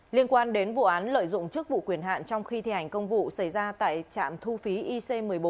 liên quan đến vụ án lợi dụng chức vụ quyền hạn trong khi thi hành công vụ xảy ra tại trạm thu phí ic một mươi bốn